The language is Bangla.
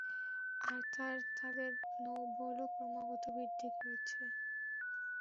আর তারা তাদের নৌবলও ক্রমাগত বৃদ্ধি করছে।